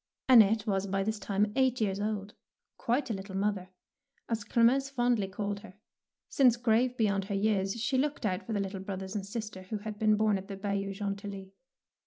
Annette was by this time eight years old, quite a little mother, as Clemence fondly called her, since, grave beyond her years, she looked out for the little brothers and sister who had been born at the Bayou Gentilly.